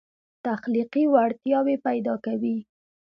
تخلیقي وړتیاوې پیدا کوي.